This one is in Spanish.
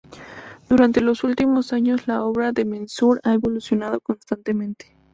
Durante los últimos años la obra de Manzur ha evolucionado constantemente.